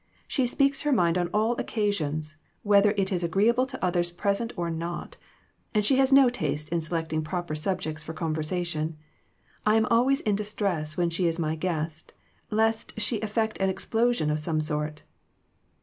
She speaks her mind on all occasions, whether it is agreeable to others present or not ; and she has no taste in selecting proper subjects for conver sation. I am always in distress when she is my guest, lest she effect an explosion of some sort."